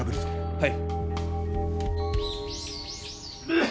はい。